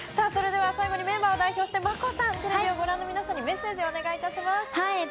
最後にメンバーを代表して、ＭＡＫＯさんテレビをご覧の皆さんにメッセージをお願いします。